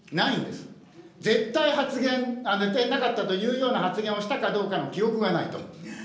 絶対発言、絶対なかったというような発言をしたかどうかの記憶はないと。